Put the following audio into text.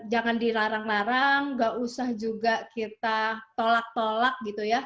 jangan dilarang larang gak usah juga kita tolak tolak